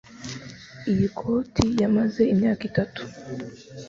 Iyi koti yamaze imyaka itatu.